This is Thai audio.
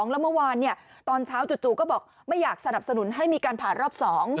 แล้วเมื่อวานตอนเช้าจู่ก็บอกไม่อยากสนับสนุนให้มีการผ่านรอบ๒